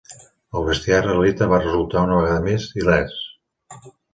El bestiar israelita va resultar, una vegada més, il·lès.